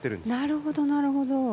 なるほどなるほど。